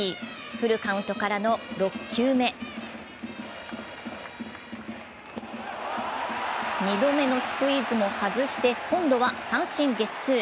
フルカウントからの６球目二度目のスクイズも外して今度は三振ゲッツー。